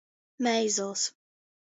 Meizols.